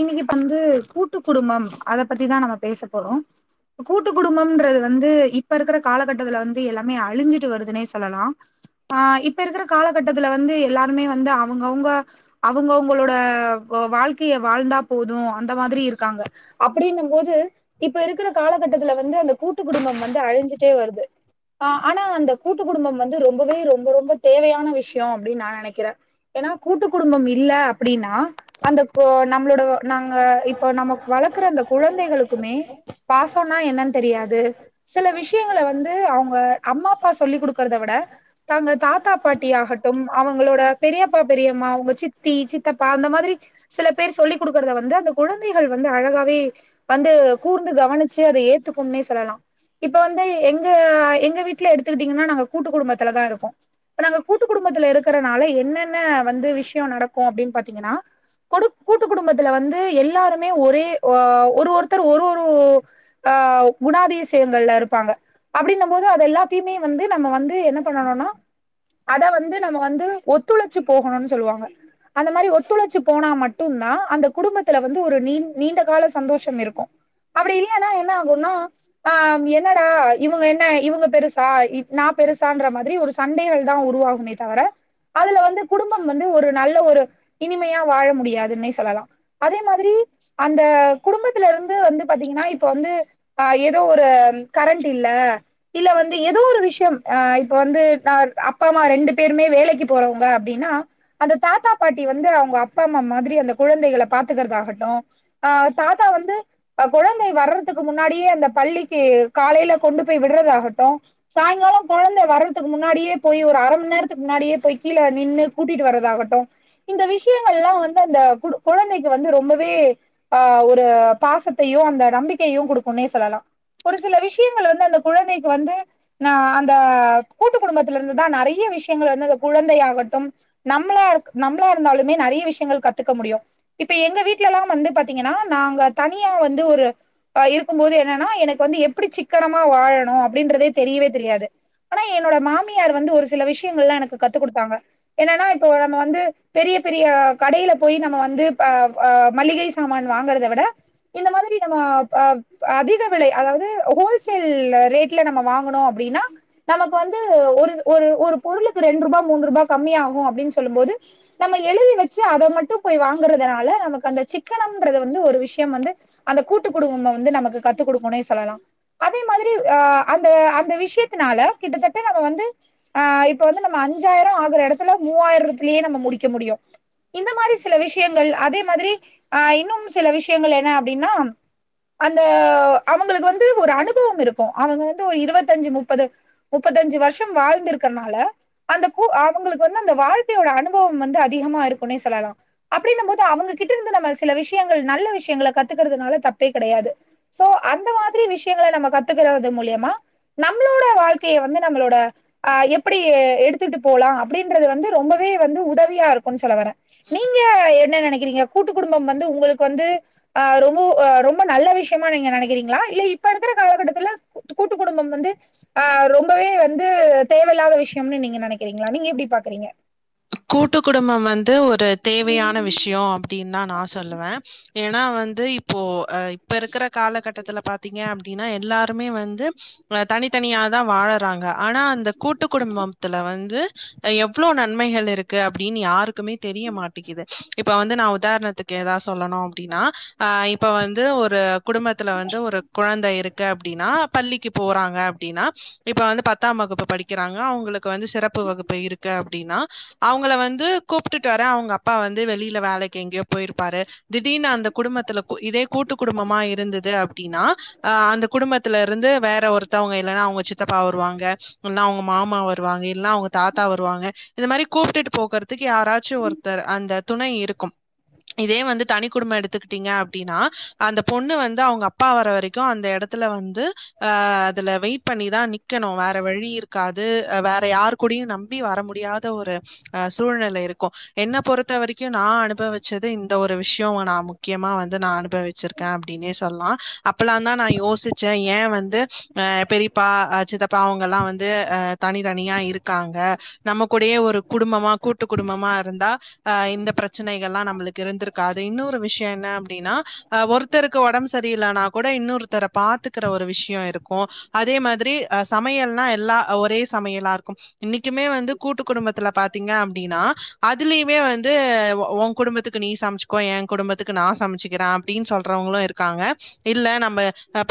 இன்னைக்கு இப்ப வந்து கூட்டு குடும்பம் அத பத்திதா நம்ம பேச போறோ கூட்டு குடும்பம்ன்றது வந்து இப்ப இருக்கிற காலகட்டத்துல வந்து எல்லாமே அழிஞ்சிட்டு வருதுன்னே சொல்லலா ஆ இப்ப இருக்கிற காலகட்டத்துல வந்து எல்லாருமே வந்து அவங்க அவுங்க அவங்க அவங்களோட வாழ் கைய வாழ்ந்தா போது அந்த மாதிரி இருக்காங்க அப்படின்னும் போது இப்ப இருக்குற காலகட்டத்துல வந்து அந்த கூட்டு குடும்பம் வந்து அழிசுட்டுடே வருது ஆ ஆனா அந்த கூட்டு குடும்பம் வந்து ரொம்பவே ரொம்ப ரொம்ப தேவையான விசியோ அப்டின்னு நா நெனைக்கிற ஏன்னா கூட்டு குடும்பம் இல்ல அப்டின்னா இப்ப நம்மளோட நாங்க இப்போ நம்ம வளக்குற அந்த குழந்தைகளுக்குமே பாசம்ன என்னன்னு தெரியாது சில விஷயங்கள வந்து அவங்க அம்மா அப்பா சொல்லி் குடுக்குகிறதவிட தாங்க தாத்தா பாட்டி ஆகட்டும் அவங்களோட பெரியப்பா பெரியம்மா அவங்க சித் தி சித்தப்பா அந்த மாதிரி சில பேர் சொல்லி் கொடுக்கிற வந்து அந்த குழந்தைகள் வந்து அழகாவே வந்து கூர்ந்து கவனிச்சு அத ஏத்துக்கும்னே சொல்லலா இப்ப வந்து எங்க எங்க வீட்ல எடுத்துக்கிட்டடிங்கன்னா நாங்க கூட்டு குடும்பத்துல தா இருக்கோ இப்ப நாங்க கூட்டு குடும்பத்துல இருக்கறனால என்னென்ன வந்து விஷயம் நடக்கு அப்டின் பாத்தீங்கன்னா குடு கூட்டு குடும்பத்துல வந்து எல்லாருமே ஒரே ஓ ஒரு ஒருத்தர் ஒரு ஒரு ஆவ் குணாதிசியங்கள் இருப்பாங்க அப்படின்னும் போது அது எல்லாத்தையுமே வந்து நம்ம வந்து என்ன பண்ணனுன்னா அத வந்து நம்ம வந்து ஒத்துழைச்சி போகணுன்னு சொல்லுவாங்க அந்த மாரி ஒத்துழைச்சி போனா மட்டும்தா அந்த குடும்பத்துல வந்து ஒரு நீண் நீண்ட கால சந்தோஷம் இருக்கு அப்டி இல்லனா என்ன ஆகுனா ஆ என்னடா இவங்க என்ன இவங்க பெருசா நா பெருசா மாதிரி ஒரு சண்டைகள் தா உருவாகுமே தவிர அதுல வந்து குடும்பம் வந்து ஒரு நல்ல ஒரு உண்மையா வாழ முடியாதுன்னே சொல்லா அதே மாதிரி அந்த குடும்பத்துல இருந்து வந்து பாத்தீங்னா இப்ப வந்து ஆ ஏதோ ஒரு கரண்ட் இல்ல இல்ல வந்து ஏதோ ஒரு விஷயம் அ இப்ப வந்து நா அப்பா அம்மா ரெண்டு பேருமே வேலைக்கு போறவங்க அப்டின்னா அந்த தாத்தா பாட்டி வந்து அவங்க அப்பா அம்மா மாதிரி அந்த குழந்தைகள பாத்துக்கிறது ஆகட்டு ஆ தாத்தா வந்து அ குழந்தை வரறதுக்கு முன்னாடியே அந்த பள்ளிக்கு காலேல கொண்டு போய் விடுறது ஆகட்டு சாயங்காலம் குழந்த வரறதுக்கு முன்னாடியே போய் ஒரு அரை மணி நேரத்துக்கு முன்னாடியே போய் கீழ நின்னு கூட்டிட்டு வரறது ஆகட்டு இந்த விஷயங்கள் எல்லா வந்து அந்த குடு கொழந்தைக்கு வந்து ரொம்பவே ஆ ஒரு பாசத்தையு அந்த நம்பிக்கையையு குடுக்கும்னே சொல்லாத ஒரு சில விஷயங்கள் வந்து அந்த குழந்தைக்கு வந்து நா அந்த கூட்டு குடும்பத்தில இருந்துதா நறைய விஷயங்கள் வந்து அந்த குழந்தைகள் ஆகட்டும் நம்ளா நம்ளா இருந்தாலுமே நறைய விஷயங்கள் கத்துக்க முடியு இப்ப எங்க வீட்ல எல்லா வந்து பாத்தீங்னா நாங்க தனியா வந்து ஒரு ஆ இருக்கும்போது என்னன்னா எனக்கு வந்து எப்டி சிக்கனமா வாழணு அப்டின்றது தெரியவே தெரியாது ஆனா என்னோட மாமியார் வந்து ஒரு சில விஷயங்கள் எல்லா எனக்கு கத்து குடுத்தாங்க என்னன்னா இப்போ நம்ம வந்து பெரியாப் பெரிய கடையில போய் நம்ம வந்து ப அ மல்லிகை சாமான் வாங்றத விட இந்த மாதிரி நம்மோ ப ப அதிக விலை அதாவது ஒ ஹோல்சேல் ரேட் இல்ல நம்ம வாங்கனோ அப்டினா நமக்கு வந்து ஒரு ஒரு ஒரு பொருளுக்கு ரெண்டு ரூபா மூன்று ரூபா கம்மி ஆகு அப்டின்னு சொல்லு போது நம்ம எழுதி வச்சி அத மட்டு போய் வாங்கறதுனால நமக்கு அந்த சிக்கனம்யின்றது வந்து ஒரு விஷயம் வந்து அந்த கூட்டு குடும்பம் வந்து நமக்கு கத்து குடுக்குனே சொல்லலா அதே மாதிரி ஆ அந்த அந்த விஷயத்னால கிட்டத்தட்ட நம்ம வந்து ஆ இப்ப வந்து நம்ம அஞ்சாயிரோ ஆகுற எடத்துல மூவாயிரத்தில்லயே நம்ம முடிக்க முடியு இந்த மாரி சில விஷயங்கள் அதே மாதிரி ஆ இன்னும் சில விஷயங்கள் என்ன அப்டின்னாம் அந்த அவங்களுக்கு வந்து ஒரு அனுபவம் இருக்கு அவங்க இருபத்தி ஐந்து வந்து ஒரு முப்பது முப்பத்தஞ்சி வருஷம் வாழ்ந்திருக்கற்னால அந்த கூ ஆ அவங்களுக்கு வந்து அந்த வாழ்க்கையோட அனுபவோ வந்து அதிகமாக இருக்குனே சொல்லலா அப்டின்னும் போது அவங்ககிட்ட இருந்து நம்ம சில விஷயங்கள் நல்ல விஷயங்க கத்துக்கறதுனால தப்பே கெடையாது சோ அந்த மாதிரி விஷயங்கள நம்ம கத்துக்கறது மூலியமா நம்மளோட வாழ்க்கைய வந்து நம்ளோட ஆ எப்டி எடுத்துட்டு போலா அப்டின்றது வந்து ரொம்பவே வந்து உதவு ப்பீரியா இருக்குன் சொல்ல வர நீங்க என்ன நினைக்கிறீங்க கூட்டு வந்து குடும்பம் வந்து உங்ளுக்கு வந்து ஆ ரொம்போ ரொம்ப விஷயமா நீங்க நனக்கிறீங்ளா இல்ல இப்ப இருக்கிற காலகட்டத்துல கூட்டு குடும்பம் வந்து ஆ ரொம்பவே வந்து தேவையில்லாத விஷயம் நீங்க நனைக்கிறீங்ளா நீங்க எப்டி பாக்குறீங்க கூட்டு குடும்பம் வந்து ஒரு தேவையான விஷ்யோ அப்டின்னு தா நா சொல்லுவ ஏன்னா வந்து இப்போ இப்ப இருக்கிற காலகட்டத்துல பாத்த திங்க அப்டின்னா எல்லாருமே வந்து தனித்தனிய தா வாழறாங்க ஆனா அந்த கூட் கூட்டு குடும்பத்துல வந்து எவ்வளே நன்மைகள் இருக்கு அப்டின்னு யாருக்கு க்குமே தெரிய மாட்டேக்குது இப்ப இப்ப வந்து நா உதாரணத்துக்கு ஏதாவது சொல்லணு அப்டின்னா அ இப்ப வந்து ஒரு குடும்பத்துல வந்து ஒரு குழந்தை இருக் கு அப்டின்னா பள்ளிக்கு போறாங்க அப்டின்னா இப்ப வந்து பத்தாம் வகுப்பு படிக்கிறாங்க அவங்களுக்கு வந்து சிறப்பு வகுப்பு இருக்கு னா அவங்கள வந்து கூப்பிட்டுட்டு வர அவங்க அப்பா வந்து வெளியில வேலக்கு எங்கேயோ போயிருப்பாரு திடீர்னு அந்த குடும்பத்துல இதே கூட்டு குடும்பமா இருந்தது அப்டின்னா அ அந்த குடும்பத்துல இருந்து வேர ஒருத்தவங்க இல்லன்னா அவங்க சித்தப்பா வருவாங்க இல்லான அவங்க மாமா வருவாங்க இல்லான அவங்க தாத்தா வருவாங்க இந்த மாரி கூப்பிட்டுட்டு போக்குறதுக்கு யாராச்சு ஒருத்தர் அந்த துணை இருக்கு இதே வந்து தனி குடும்ப எடுத்துக்கிட்டீங்க அப்டின்னா அந்த பொண்ணு வந்து அவங்க அப்பா வர வரைக்கு அந்த எடத்த த்துல வந்து அ அதுல வெயிட் பண்ணி தா நிக்கணு வேற வழி இருக்காது வேற யாரு கூடையு நம்பி வர முடியு முடியாத ஒரு அ சூழ்நிலை இருக்கு என்ன பொறுத்த வரைக்கு நா அனுபவிச்சது இந்த ஒரு விஷய நா முக்கியமா வந்து நா அனுப் ப வச்சிருக்கே அப்டின்னு சொல்லாம் அப்பல்லா தா நா யோசிச்சே ஏ வந்து பெரியப்பா சித்தப் ப்பாங்கெல்லா வந்து அ தனித்தனியா இருக்காங்க நம்ம கூடயே ஒரு குடும்பமா கூட்டு குடும்பமா இருந்தா அ இந்த பிரச்சனைகல்லா நம்மளுக்கு இருந்திருக்காது இன்னொறு ஒரு விஷ் ஷியோ என்ன அப்டின்னா ஒருத்தருக்கு ஒடம்பு சரியில்லானா கூட இன்னொருத்தர பாத்து க்கிற ஒரு விஷியோ இருக்கு அதே மாதிரி ஆ சமையல்னா எல்லா ஒரே சமையலா இருக்கு இன்னைக்குமே வந்து கூட்டு குடும்பத்துல பாத்தீங்க அப்டின்னா அதுலயுமே வந்து உ குடும்பத்துக்கு நீ சமைச்ச கோ எ குடும்பத்துக்கு நா சமைச்சுக்கிறே அப்டின்னு சொல்றவங்களு இருக்காங்க இல்ல நம்ம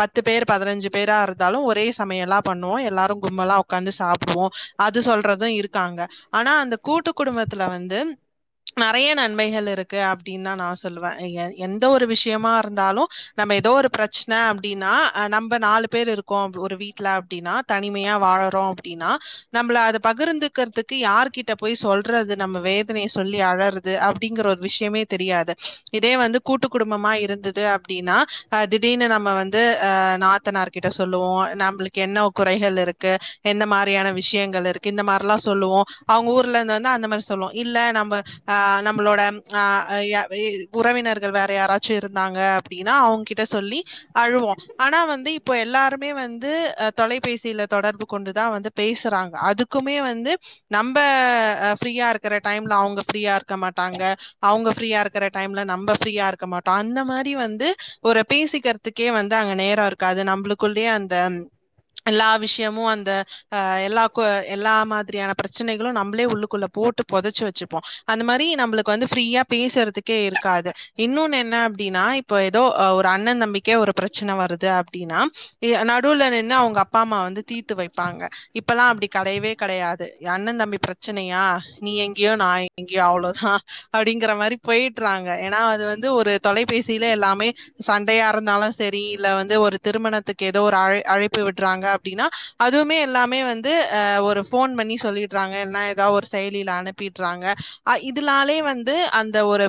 பத்து பேர் பதினஞ்சு பேரா இருந்தாலு ஒரே சமயல்லா பண்ணுவோ எல்லாரு கும்மலா உட்காந்து சாப்பிடுவோ அது சொல்றது இருக்காங்க ஆனா அந்த கூட்டு குடும்பத்துல வந்து நறய நன்மைகள் இருக்கு அப்டின்னு தா நா சொல்லுவே எ எந்த ஒரு விஷயமா இருந்தாலு நம்ம ஏதோ ஒரு பிரச்சனை அப்டின்னா நம்ம நாலு பேர் இருக்கோ ஒரு வீட்டுல அப்டின்னா தனிமையா வாழறோ அப்டின்னா நம்மள அது பகிர்ந்து இருக்கறதுக்கு யார்கிட்ட போய் சொல்றது நம்ம வேதனைய சொல்லி அழறது அப்டிங்கற ஒரு விஷயமே தெரியாது இதே வந்து கூட்டு குடும்பமா இருந்தது அப்டின்னா அ திடீர்னு நம்ம வந்து அ நா நாத்தனார் கிட்ட சொல்லுவோ நம்மளுக்கு என்ன குறைகள் இருக்கு எந்த மாரியான விஷயங்கள் இருக்கு இந்த மார் ல்லா சொல்லுவோ அவுங்க ஊர்லருந்து வந்தா அந்த மாரி சொல்லுவோ இல்ல நம்ம அ நம்மளோட ஆ யா உறவினர்கள் வேற யாராச்சு இருந்தாங்க அப்டின்னா அவுங்கிட்ட சொல்லி அழுவோ ஆனா வந்து இப்போ எல்லாருமே வந்து அ தொலைபேயிசில தொடர்பு கொண்டுதா வந்து பேசுறாங்க அதுக்குமே வ ந்து நம்ப ஃபிரீயா இருக்குற டைம்ல அவங்க ஃபிரீயா இருக்க மாட்டாங்க அவுங்க ஃபிரீயா இருக்குற டைம்ல நம்ப ஃபிரீயா இருக்க மாட்டோ அந்த மாரி வந்து ஒரு பேசிக்க துக்கே வந்து அங்க நேரோ இருக்காது நம்ளுக்குள்ளேயே அந்த எல்லா விஷ்யமு அந்த அ‌ எல்லா எல்லா மா பிரச்சனைகளு நம்ளே உள்ளக்குள்ள போட்டு புதச்சு வச்சுப்போ அந்த மாரி நம்பளுக்கு வந்து ஃபிரீயா பேசுறதுக் கே இருக்காது இன்னொன்னு என்ன அப்டின்னா இப்ப எதோ ஒரு அண்ணன் தம்பிக்கே ஒரு பிரச்சன்ன வருது அப்டின்னா நடுல நின்னு அவுங்க அப்பா அம்மா வந்து தீத்து வைப்பாங்க இப்பல்லா அப்டி கெடையவே கெடையாது அண்ணன் தம்பி பிரச்சனையா நீ எங்கேயோ நா எங்கேயோ அவ்ளோதா அப்டிங்கற மாரி போயிட்டுறாங்க ஏன்னா அது வந்து ஒரு தொலைபேசியிலே எல்லாமே சண்டையாருந்தாலு சரி இல்ல வந்து ஒரு திருமணத்துக்கு எதோ ஒரு அழை அழைப்பு விடுறாங்க அப்டின்னா அதுவுமே எல்லாமே வந்து ஒரு ஃபோன் பண்ணி சொல்லிடுராங்க இல்னா எதா ஒரு செயலில அனுப்பிடுறாங்க ஆ இதுலாலே வந்து அந்த ஒரு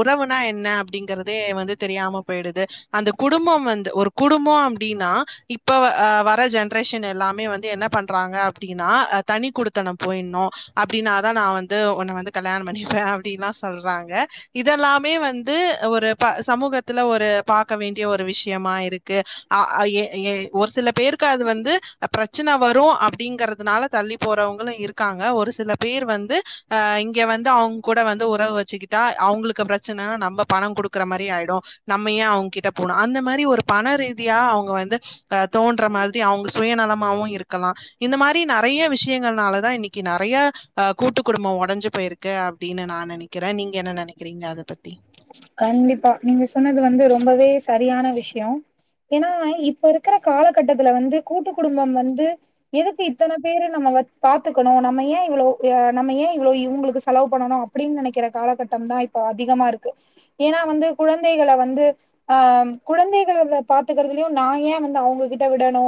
உறவுனா என்ன அப்டிங்கறதே வந்து தெரியாம போயிடுது அந்த குடும்பம் வந்து ஒரு குடும்போம் அப்டின்னா இப்ப அ வர ஜென்ரேஷன் எல்லாமே வந்து என்னப் பண்றாங்க அப்டின்னா தனி குடுத் த்தனம் போயினு அப்டின்னாதா நா வந்து உன்ன வந்து கல்யாணம் பண்ணிப்பே அப்டிலா சொல்றாங்க இதெல்லாமே வந்து ஒரு ப சமூகத்துல ஒரு பாக்க வேண்டிய ஒரு விஷ்யமா இருக்கு ஆ எ ஏ ஒரு சில பேருக்கு அது வந்து பிரச்சன வரு அப்டிங்கறதுனால தள்ளி போறவங் இருக்காங்க ஒரு சில பேரு வந்து அ இங்க வந்து அவங் கூட வந்து உறவு வச்சுக்கிட் ட்டா அவுங்குளுக்கு பிரச்சன நம்ம பணம் குடுக்குற மாரி ஆயிடு நம்ம ஏ அவுங்கிட்ட போனு அந்த மாரி ஒரு பண ரீதியா அவுங்க வந்து அ தோன்ற மாதிரி அவுங்க சுயநலமாவு இருக்கலா இந்த மாரி நெறைய விஷயங்கள் னால தா இன்னிக்கு நெறைய அ கூட்டு குடும்போ உடஞ்சு போயிருக்கு அப்டின்னு நா நெனைக்கிறே நீங்க என்ன நெனைக்கிறீங்க அத பத்தி கண்டிப்பா நீங்க சொன்னது வந்து ரொம்பவே சரியான விஷ்யோ ஏன்னா இப்ப இருக்குற காலகட்டத்துல வந்து கூட்டு குடும்பம் வந்து எதுக்கு இத்தன பேரு நம்மள பாத்துக்கணு நம்ம ஏ இவ்ளோ நம்ம ஏ இவ்ளோ இவுங்களுக்கு செலவு பண்ணணு அப்டின் நெனைக்கிற காலகட்டம்தா இப்போ அதிகமாருக்கு ஏன்னா வந்து கொழந்தைகள வந்து அ குழந்தைகள பாத்துக்கறதுலயு நா ஏ வந்து அவங்ககிட்ட விடணு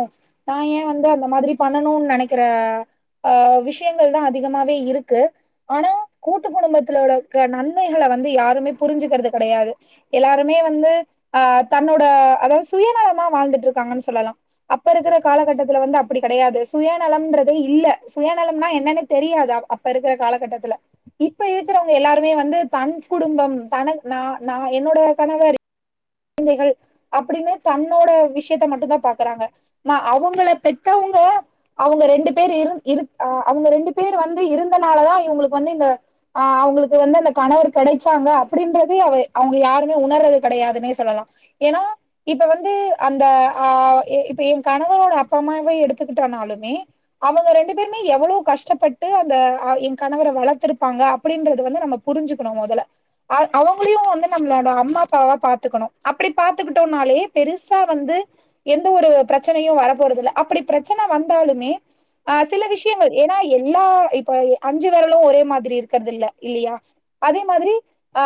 நா ஏ வந்து அந்த மாதிரி பண்ணணுன் நெனைக்கிற அ விஷயங்கள் தா அதிகமாவே இருக்கு ஆனா கூட்டு குடும்பத்துலோட நன்மைகள வந்து யாருமே புரிஞ்சுக்கறது கெடையாது எல்லாருமே வந்து அ தன்னோட அதாவது சுயநலமா வாழ்ந்துட்டு இருக்காங்கன் சொல்லலா அப்ப இருக்குற காலகட்டத்துல வந்து அப்படி கெடையாது சுயநலம்ன்றது இல்ல சுயநலம்னா என்னன்னு தெரியாது அப்ப இருக்கிற காலகட்டத்துல இப்ப இருக்குறவங்க எல்லாருமே வந்து தன் குடும்பம் தனக் நா நா என்னோட கணவர் குழந்தைகள் அப்டின்னு தன்னோட விஷயத்த மட்டு தா பாக்குறாங்க நா அவுங்கள பெத்தவங்க அவங்க ரெண்டு பேரு இரு இருக் அ அவுங்க ரெண்டு பேரு வந்து இருந்தனாலதா இவங்களுக்கு வந்து இந்த ஆ அவங்களுக்கு வந்து அந்த கணவர் கெடைச்சாங்க அப்டின்றது அவ அவங்க யாருமே உணர்றது கெடையாது மிஸ் சொல்லலா ஏன்னா இப்ப வந்து அந்த ஆ இப்ப என் கணவரோட அப்பா அம்மாவே எடுத்துக்கிட்டோனாலுமே அவங்க ரெண்டு பேருமே எவ்வளவு கஷ்டப்பட்டு அந்த என் கணவரை வளர்த்திருப்பாங்க அப்டின்றது வந்து நம்ம புரிஞ்சுக்கணு முதல்ல அவங்களையு வந்து நம்மளோட அம்மா அப்பாவா பாத்துக்கணு அப்டி பாத்துக்கிட்டோம்னாலே பெருசா வந்து எந்த ஒரு பிரச்சனையும் வர போறது இல் அப்டி பிரச்சனை வந்தாலுமே ஆ சில விஷயங்கள் ஏன்னா எல்லா இப்ப அஞ்சு வேரலு ஒரே மாதிரி இருக்கத இல்ல இல்லையா அதே மாதிரி ஆ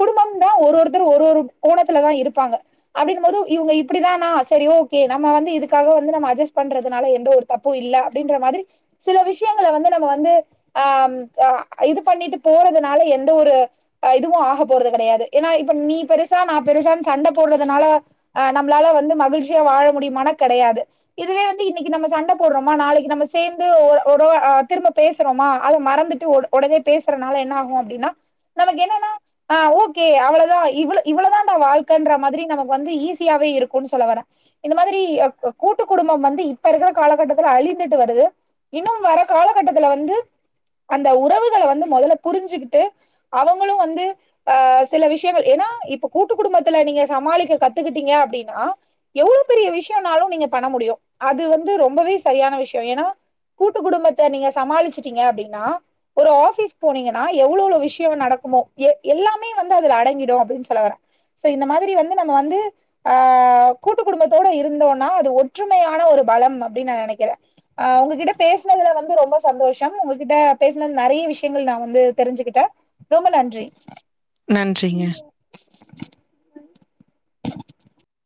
குடும்பம்னா ஒரு ஒருத்தர் ஒரு ஒரு கோணத்துலதா இருப்பாங்க அப்டின் போது இவுங்க இப்டிதானா செரி ஓகே நம்ம வந்து இதுக்காக வந்து நம்ம அஜஸ்ட் பண்றதுனால எந்த ஒ தப்பு இல்ல அப்டின்ற மாரி சில விஷயங்கள வந்து நம்ம வந்து அ அ இது பண்ணிட்டு போறதுனால எந்த ஒரு இதுவு ஆக போறது கெடையாது ஏனா இப்ப நீ பெருசா நா பெருசான்னு சண்ட போடுறதுனால அஹ் நம்மளால வந்து மகிழ்ச்சியா வாழ முடியுமான கிடையாது இதுவே வந்து இன்னைக்கி நம்ம வந்து சண்ட போடுறோமா நாளைக்கி நம்ம சேந்து ஒரு ஒரு வா திரும்ப பேசுறோமா அத மறந்துட்டு உடனே பேசுறனால என்ன ஆகு அப்டின்னா நமக்கு என்னன்னா அ ஓகே அவ்ளதா இவ்ள இவ்ளதா வாழ்க்கன்ற மாதிரி நமக்கு வந்து ஈஸியாவே இருக்குனு சொல்ல வரே இந்த மாதிரி அ க கூட்டு குடும்பம் வந்து இப்ப இருக்கிற காலகட்டத்துல அழிந்துட்டு வருது இன்னு வர காலகட்டத்துல வந்து அந்த உறவுகள வந்து மொதல்ல புரிஞ்சுக்கிட்டு அவங்களு வந்து ஆ சில விஷயங்கள் ஏனா இப்போ கூட்டு குடும்பத்துல நீங்க சமாளிக்க கத்துக்கிட்டீங்க அப்டீனா எவ்ளோ பெரிய விஷ்யோனாலு நீங்க பண்ண முடியு அது வந்து ரொம்பவே சரியான விஷ்யோ ஏனா கூட்டு குடும்பத்த நீங்க சமாளிச்சிட்டீங்க அப்டின்னா ஒரு ஆபிஸ் போனீங்கன்னா எவ்ளோளோ விஷ்யங்கள் நடக்குமோ எல்லாமே வந்து அதுல அடங்கிடு அப்டின்னு சொல்லவறே சோ இந்த மாதிரி வந்து நம்ம வந்து ஆ கூட்டு குடும்பத்தோடு இருந்தோன்னா அது ஒற்றுமையான ஒரு பலம் அப்டின்னு நா நெனைக்கிறே ஆ உங்ககிட்ட பேசினதுல வந்து ரொம்ப சந்தோஷம் உங்ககிட்ட பேசினது நெறைய விஷயங்கள் நா வந்து தெரிஞ்சுகிட்டே ரொம்ப நன்றி நன்றிங்க